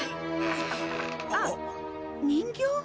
あっ人形？